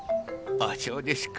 あそうですか。